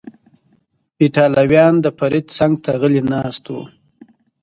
ایټالویان، د فرید څنګ ته غلی ناست و.